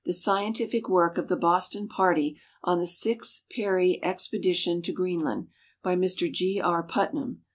ScientiHc Work of the Boston Party ..n't he Sixth Teary Expedition to Greenland," by Mr (t. K. Putnam.